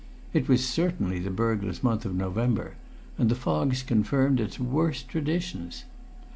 It was certainly the burglars' month of November, and the fogs confirmed its worst traditions.